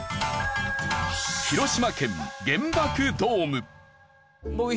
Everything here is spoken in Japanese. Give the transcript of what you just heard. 広島県原爆ドーム。